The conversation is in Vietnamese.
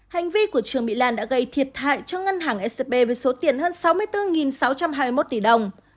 trương mỹ lan đã gây thiệt hại cho ngân hàng scp với số tiền hơn sáu mươi bốn sáu trăm hai mươi một tỷ đồng